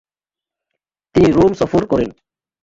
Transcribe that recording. তিনি রোম সফর করেন।